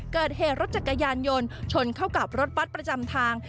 เกิดเหตุรถจักรยานยนต์ชนเข้ากับรถบัตรประจำทาง